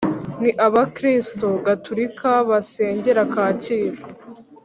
Ni abakristo gaturika basengera kacyiru